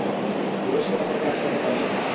পুরো শহর তাকে আটকাতে পারেনি!